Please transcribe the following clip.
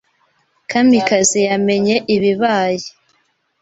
Kamikazi yamenye ibibaye.